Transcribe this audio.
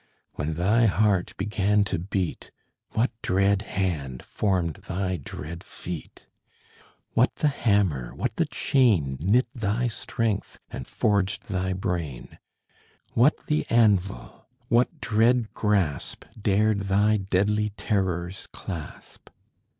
When thy heart began to beat, What dread hand formed thy dread feet? What the hammer, what the chain, Knit thy strength and forged thy brain? What the anvil? What dread grasp Dared thy deadly terrors clasp?